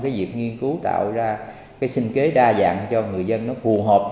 mặc dù vậy thì chúng tôi vẫn thích sức cố gắng phát ra sinh kế đa dạng cho sự đi xếp thị trường into a whole rappd